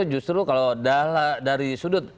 justru kalau dari sudut